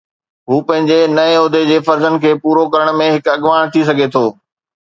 هو پنهنجي نئين عهدي جي فرضن کي پورو ڪرڻ ۾ هڪ اڳواڻ ٿي سگهي ٿو